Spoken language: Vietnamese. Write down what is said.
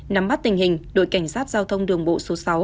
nắm bắt tình hình đội cảnh sát giao thông đường bộ số sáu